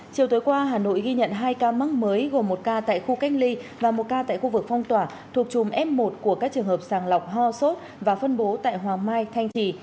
chiều tối qua hà nội ghi nhận hai ca mắc mới gồm một ca tại khu cách ly và một ca tại khu vực phong tỏa thuộc chùm f một của các trường hợp sàng lọc ho sốt và phân bố tại hoàng mai thanh trì